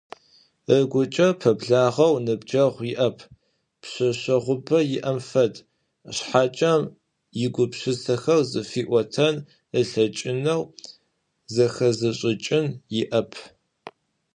Ыгукӏэ пэблагъэу ныбджэгъу иӏэп, пшъэшъэгъубэ иӏэм фэд, шъхьакӏэ игупшысэхэр зыфиӏотэн ылъэкӏынэу, зэхэзышӏыкӏын иӏэп.